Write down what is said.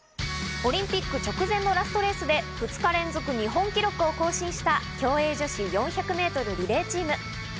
オリンピック直前のラストレースで２日連続日本記録を更新した競泳女子４００ｍリレーチーム。